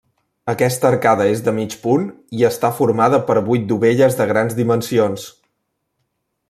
Aquesta arcada és de mig punt i està formada per vuit dovelles de grans dimensions.